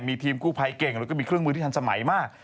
มีทีมกู้ภัยเก่งแล้วก็มีเครื่องมือที่ทันสมัยมาก